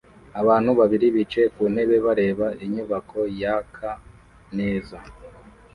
Abantu babiri bicaye ku ntebe bareba inyubako yaka neza